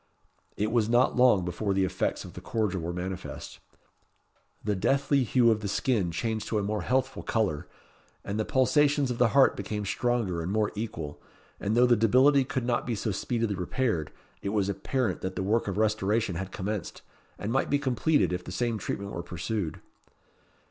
It was not long before the effects of the cordial were manifest. The deathly hue of the skin changed to a more healthful colour, and the pulsations of the heart became stronger and more equal; and though the debility could not be so speedily repaired, it was apparent that the work of restoration had commenced, and might be completed if the same treatment were pursued.